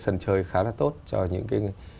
sân chơi khá là tốt cho những cái